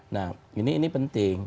nah ini penting